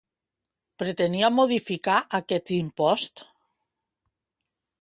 Pretenia modificar aquest impost?